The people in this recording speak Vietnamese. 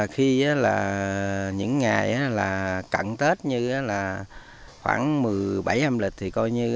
khi là những ngày là cận tết như là khoảng một mươi bảy âm lịch